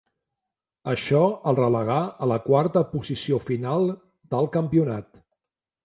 Això el relegà a la quarta posició final del Campionat.